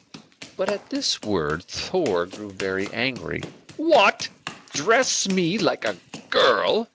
But at this word Thor grew very angry. "What! dress me like a girl!"